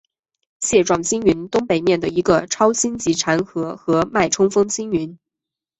蟹状星云东北面的一个超新星残骸和脉冲风星云。